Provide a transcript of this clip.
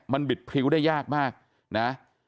มันบิดพริ้วได้ยากมากนะ